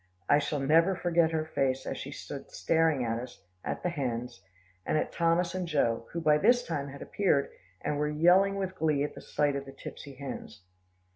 I shall never forget her face, as she stood staring at us, at the hens, and at Thomas and Joe, who by this time had appeared, and were yelling with glee at the sight of the tipsy hens.